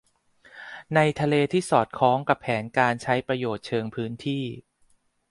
ในทะเลที่สอดคล้องกับแผนการใช้ประโยชน์เชิงพื้นที่